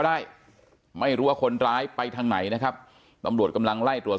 ได้ไม่รู้ว่าคนร้ายไปทางไหนนะครับตำรวจกำลังไล่ตรวจสอบ